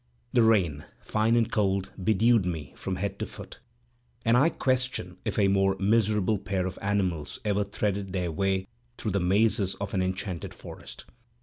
The rain, fine and cold, bedewed me from head to foot, and I question if a more miserable pair of animals ever threaded their way through the mazes of an enchanted forest.